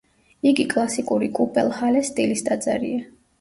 იგი კლასიკური კუპელჰალეს სტილის ტაძარია.